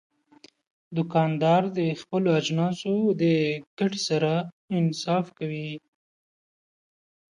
دوکاندار د خپلو اجناسو د ګټې سره انصاف کوي.